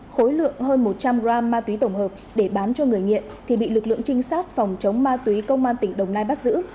khối lượng hơn một trăm linh g ma túy tổng hợp để bán cho người nghiện thì bị lực lượng trinh sát phòng chống ma túy công an tỉnh đồng nai bắt giữ